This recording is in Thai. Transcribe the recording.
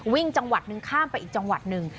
วิ่งจังหวัดนึงข้ามไปอีกจังหวัดหนึ่ง